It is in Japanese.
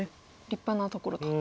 立派なところと。